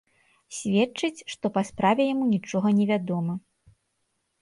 Сведчыць, што па справе яму нічога не вядома.